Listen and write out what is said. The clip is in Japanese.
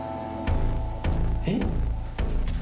「えっ？」